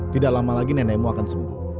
tidak lama lagi nenekmu akan sembuh